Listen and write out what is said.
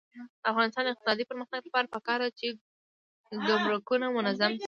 د افغانستان د اقتصادي پرمختګ لپاره پکار ده چې ګمرکونه منظم شي.